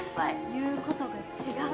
言うことが違う。